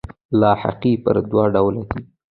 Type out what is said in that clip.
لاحقې پر دوه ډوله دي.